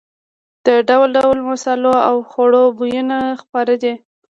د ډول ډول مسالو او خوړو بویونه خپاره دي.